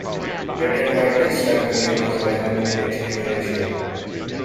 Red and white textile colouring was available in ancient Indonesia.